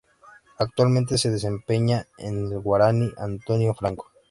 Actualmente se desempeña en el Guaraní Antonio Franco.